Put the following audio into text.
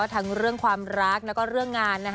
ทั้งความรักและเรื่องงาน